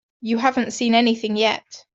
You haven't seen anything yet.